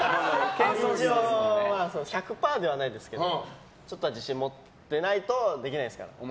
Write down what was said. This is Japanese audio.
一応１００％ではないですけどちょっと自信を持ってないとできないですから。